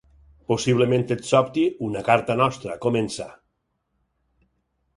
Possiblement et sobti una carta nostra, comença.